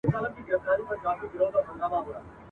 په دامنځ کي ورنیژدې یو سوداګر سو !.